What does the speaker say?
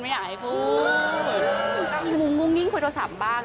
มีมุ่งคุยโทรศัพท์บ้าง